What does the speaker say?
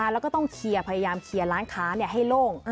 แล้วก็ต้องเคลียร์พยายามเคลียร์ร้านค้าให้โล่ง